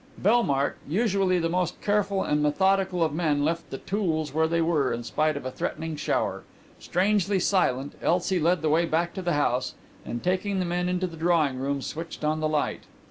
Bellmark, usually the most careful and methodical of men, left the tools where they were, in spite of a threatening shower. Strangely silent, Elsie led the way back to the house and taking the men into the drawing room switched on the light.